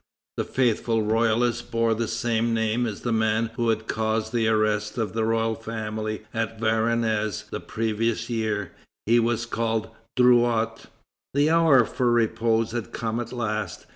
The faithful royalist bore the same name as the man who had caused the arrest of the royal family at Varennes the previous year. He was called Drouot. The hour for repose has come at last.